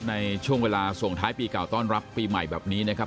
ในช่วงเวลาส่งท้ายปีเก่าต้อนรับปีใหม่แบบนี้นะครับ